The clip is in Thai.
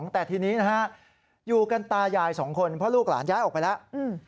แต่ทีนี้นะฮะอยู่กันตายายสองคนเพราะลูกหลานย้ายออกไปแล้ว